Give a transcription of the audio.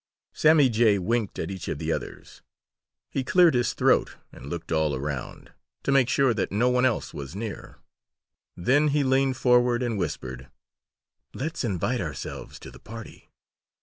Sammy Jay winked at each of the others. He cleared his throat and looked all around, to make sure that no one else was near. Then he leaned forward and whispered: "Let's invite ourselves to the party."